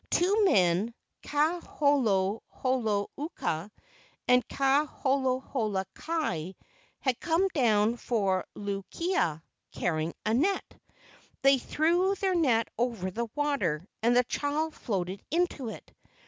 Two men, Ka holo holo uka and Ka holo holo kai, had come down for Luu kia, carrying a net. They threw their net over the water and the child floated into it.